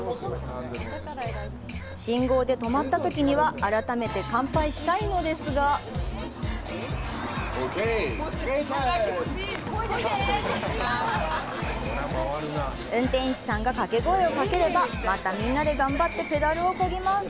信号で止まったときには改めて乾杯したいのですが運転士さんがかけ声をかければまた、みんなで頑張ってペダルをこぎます。